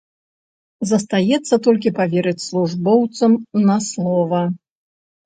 Застаецца толькі паверыць службоўцам на слова.